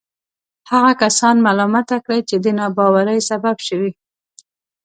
هغه کسان ملامته کړي چې د ناباورۍ سبب شوي.